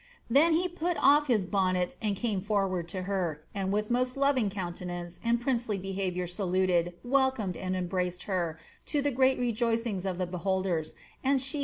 Then he put off his bonnet, and came forward to her, and with most loving countenance and princely behaviour saluted, welcomed, and embraced her, to the great rejoicing of tlie beholders ; and she likewise, 'The mmiorial bearing of Hainault.